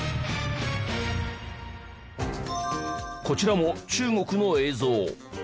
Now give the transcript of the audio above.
こちらも中国の映像。